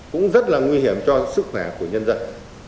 cũng rất là nguy hiểm cho sức khỏe của nhân dân